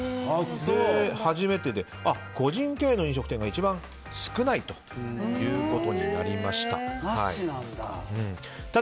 そして、初めてで個人経営の飲食店が一番少ないということになりました。